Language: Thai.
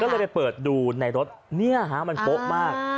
ก็เลยไปเปิดดูในรถเนี่ยฮะมันโป๊ะมาก